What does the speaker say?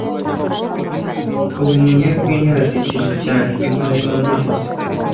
Uwo munyarwenya arasekeje cyane kamana niwe wabivuze